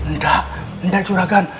nggak enggak juragan